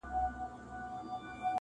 د شعرونو کتابچه وای!!